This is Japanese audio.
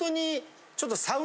ちょっと。